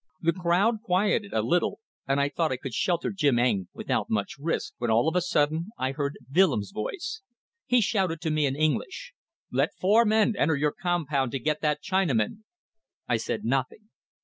The crowd quieted a little, and I thought I could shelter Jim Eng without much risk, when all of a sudden I heard Willems' voice. He shouted to me in English: 'Let four men enter your compound to get that Chinaman!' I said nothing.